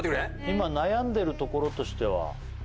今悩んでるところとしては？